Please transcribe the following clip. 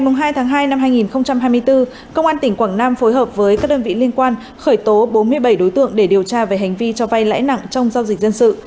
ngày hai tháng hai năm hai nghìn hai mươi bốn công an tỉnh quảng nam phối hợp với các đơn vị liên quan khởi tố bốn mươi bảy đối tượng để điều tra về hành vi cho vay lãi nặng trong giao dịch dân sự